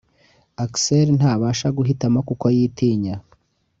Axel ntabasha guhitamo kuko yitinya